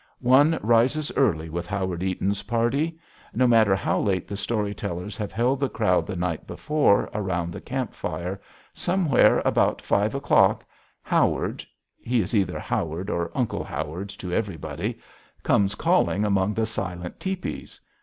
One rises early with Howard Eaton's party. No matter how late the story tellers have held the crowd the night before around the camp fire, somewhere about five o'clock, Howard he is either Howard or Uncle Howard to everybody comes calling among the silent tepees.